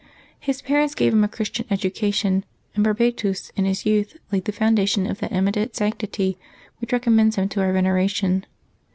His parents gave him a Christian education, and Barbatus in his youth laid the foundation of that eminent sanctity which recommends him to our veneration.